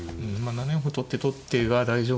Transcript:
７四歩を取って取ってが大丈夫なら。